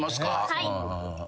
はい。